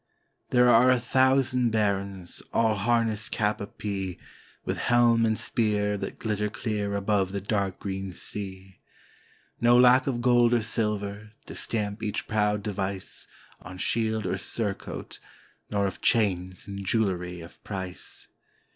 There are a thousand Barons, all harnessed cap a pie. With helm and spear that glitter clear above the dark green sea, — No lack of gold or silver, to stamp each proud device On shield or surcoat, — nor of chains and jewelry of price.